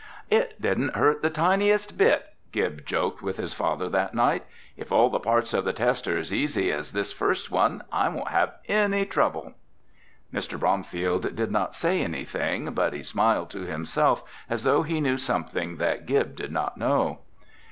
"It didn't hurt the tiniest bit," Gib joked with his father that night. "If all the parts of the test are as easy as this first one, I won't have any trouble." Mr. Bromfield did not say anything, but he smiled to himself as though he knew something that Gib did not know.